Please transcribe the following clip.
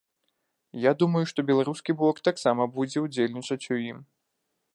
Я думаю, што беларускі бок таксама будзе ўдзельнічаць у ім.